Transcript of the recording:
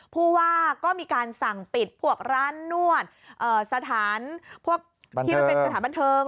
ผู้ว่าก็มีการสั่งปิดพวกร้านนวดสถานพวกที่มันเป็นสถานบันเทิง